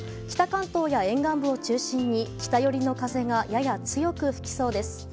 北関東や沿岸部を中心に北寄りの風がやや強く吹きそうです。